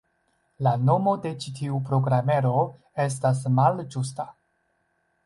La nomo de ĉi tiu programero estas malĝusta.